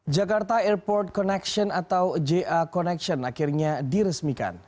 jakarta airport connection atau ja connection akhirnya diresmikan